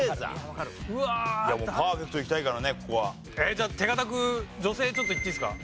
じゃあ手堅く女性いっていいですか？